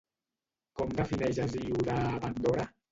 Com defineix Hesíode a Pandora?